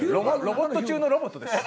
ロボット中のロボットです。